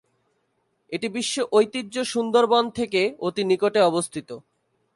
এটি বিশ্ব ঐতিহ্য সুন্দরবন থেকে অতি নিকটে অবস্থিত।